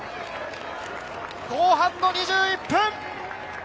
後半２１分。